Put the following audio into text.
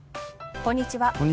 こんにちは。